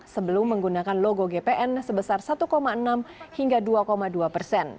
sebelum menggunakan logo gpn sebesar satu enam hingga dua dua persen